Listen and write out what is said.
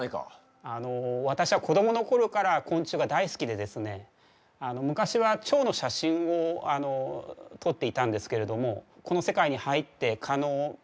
あの私は子どもの頃から昆虫が大好きでですね昔はチョウの写真を撮っていたんですけれどもこの世界に入って蚊の魅力に取りつかれてですね